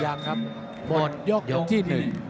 ยังครับหมดยกยกที่๑